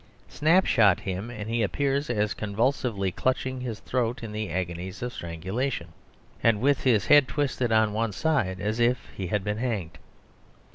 Snapshot him, and he appears as convulsively clutching his throat in the agonies of strangulation, and with his head twisted on one side as if he had been hanged.